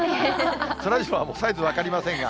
そらジローはサイズ、もう分かりませんが。